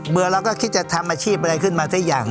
เบื่อแล้วก็คิดจะทำอาชีพอะไรขึ้นมาซะอย่าง